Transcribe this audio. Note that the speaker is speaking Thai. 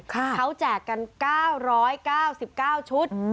เขาแจกกัน๙๙๙ชุด